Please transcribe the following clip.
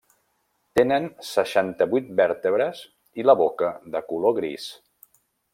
Tenen seixanta-vuit vèrtebres i la boca de color gris.